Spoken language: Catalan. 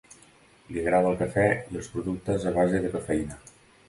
Li agrada el cafè i els productes a base de cafeïna.